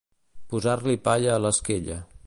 Posar-li palla a l'esquella.